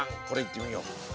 これいってみよう！